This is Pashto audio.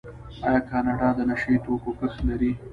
آیا کاناډا د نشه یي توکو کښت لري؟